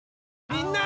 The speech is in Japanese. みんな！